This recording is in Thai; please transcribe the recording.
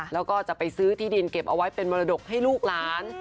แล้วก็จะไปซื้อที่ดินเก็บเอาไว้เป็นมรดกให้ลูกหลาน